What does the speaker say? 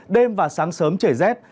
đêm và sáng sớm trời rét